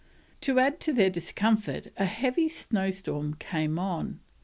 To add to their discomfort a heavy snowstorm came on.